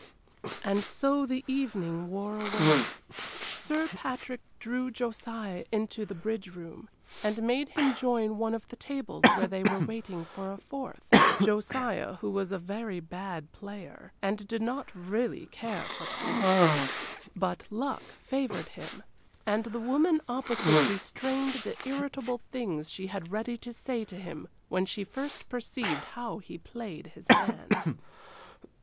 And so the evening wore away. Sir Patrick drew Josiah into the bridge room, and made him join one of the tables where they were waiting for a fourth Josiah, who was a very bad player, and did not really care for cards! But luck favored him, and the woman opposite restrained the irritable things she had ready to say to him when she first perceived how he played his hand.